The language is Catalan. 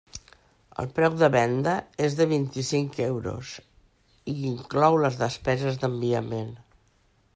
El preu de venda és de vint-i-cinc euros i inclou les despeses d'enviament.